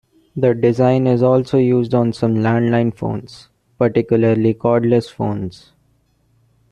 The design is also used on some landline phones, particularly cordless phones.